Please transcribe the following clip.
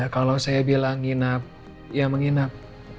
kalau saya bilang nginep ya menginep